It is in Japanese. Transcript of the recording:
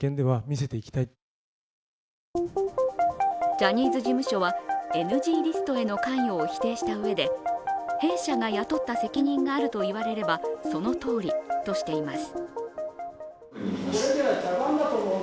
ジャニーズ事務所は、ＮＧリストへの関与を否定したうえで弊社が雇った責任があるといわれればそのとおりとしています。